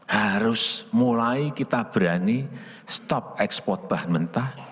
harus mulai kita berani stop ekspor bahan mentah